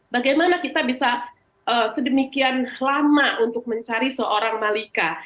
bagaimana kita bisa sedemikian lama untuk mencari seorang malika